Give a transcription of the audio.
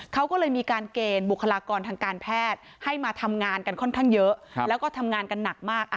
เขาก็เลยมีการเกณฑ์บุคลากรทางการแพทย์ให้มาทำงานกันค่อนข้างเยอะแล้วก็ทำงานกันหนักมาก